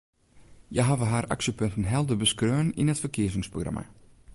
Hja hawwe har aksjepunten helder beskreaun yn it ferkiezingsprogramma.